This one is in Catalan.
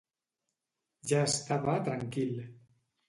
Ja estava tranquil.